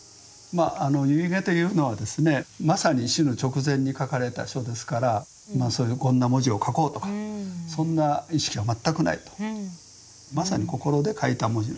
遺偈というのはですねまさに死の直前に書かれた書ですからこんな文字を書こうとかそんな意識は全くないと。